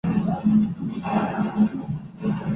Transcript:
Con todas sus fuerzas, puso rumbo al Planeta Vegeta.